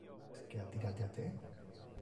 Esque ha tirate a te?